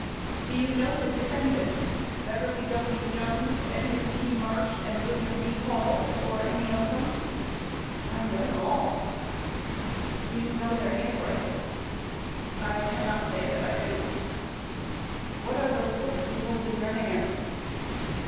] Q. Do you know the defendants, Beverly W. Jones, Edwin T. Marsh, and Wm. B. Hall, or any of them? A. I know them all. Q. Do you know their hand writing? A. I cannot say that I do. Q. What are those books you hold in your hand?